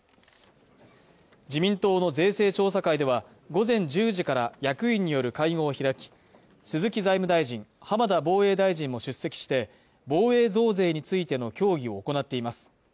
自民党の税制調査会では午前１０時から役員による会合を開き鈴木財務大臣、浜田防衛大臣も出席して防衛増税についての協議を行っています